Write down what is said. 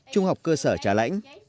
trung học cơ sở trà lãnh